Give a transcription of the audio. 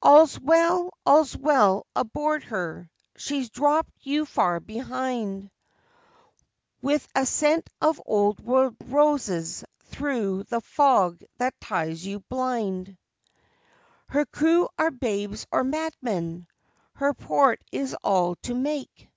All's well all's well aboard her she's dropped you far behind, With a scent of old world roses through the fog that ties you blind. Her crew are babes or madmen? Her port is all to make?